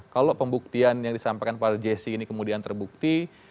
kalau pembuktian yang disampaikan oleh gc ini kemudian terbukti